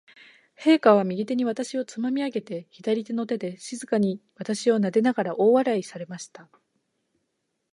陛下は、右手に私をつまみ上げて、左の手で静かに私をなでながら、大笑いされました。